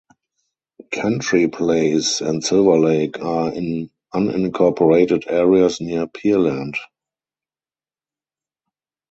Country Place and Silverlake are in unincorporated areas near Pearland.